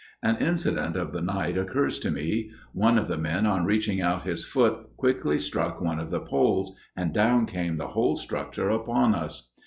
An incident of the night occurs to me: One of the men on reaching out his foot quickly, struck one of the poles, and down came the whole structure upon us.